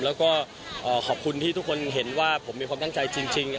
แล้วก็ขอบคุณที่ทุกคนเห็นว่าผมมีความตั้งใจจริง